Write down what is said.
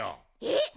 えっ？